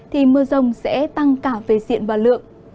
thì mưa rông sẽ tăng cả về diện và lượng